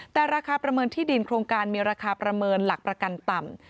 แต่ราคาประเมินที่ดินโครงการมีราคาประเมินหลักประกันต่ำ